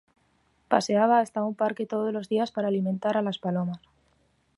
Paseaba hasta un parque todos los días para alimentar a las palomas.